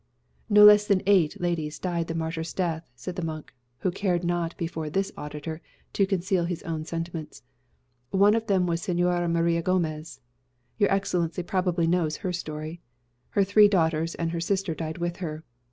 "No less than eight ladies died the martyr's death," said the monk, who cared not, before this auditor, to conceal his own sentiments. "One of them was Señora Maria Gomez; your Excellency probably knows her story. Her three daughters and her sister died with her.